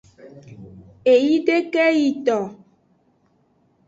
Eyideke yi to.